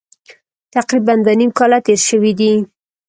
تقریبا دوه نیم کاله تېر شوي دي.